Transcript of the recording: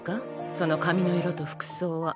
その髪の色と服装は。